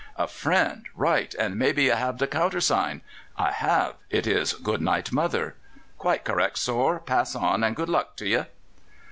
"A friend! Right! and maybe ye have the counthersign?" "I have; it is 'Good night, mother.'" "Quite correct, sor. Pass on, and good luck to ye!"